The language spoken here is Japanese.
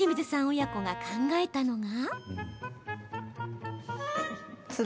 親子が考えたのが。